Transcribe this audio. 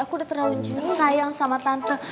aku udah terlalu sayang sama tante